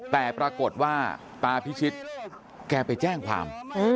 แต่ปรากฏว่าตาพิชิตแกไปแจ้งความ